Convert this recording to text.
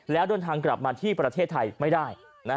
แล้วเดินทางกลับมาที่ประเทศไทยไม่ได้